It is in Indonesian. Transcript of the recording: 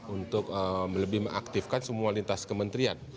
untuk lebih mengaktifkan semua lintas kementerian